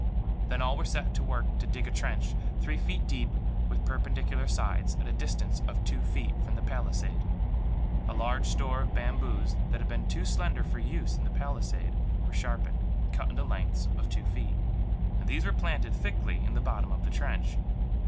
Then all were set to work to dig a trench, three feet deep with perpendicular sides, at a distance of two feet from the palisade. A large store of bamboos that had been too slender for use in the palisade were sharpened, and cut into lengths of two feet; and these were planted, thickly, in the bottom of the trench.